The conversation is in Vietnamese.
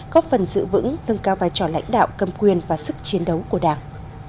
góp phần giữ vững nâng cao vai trò lãnh đạo cầm quyền và sức chiến đấu của đảng